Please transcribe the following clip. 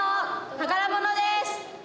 宝物です。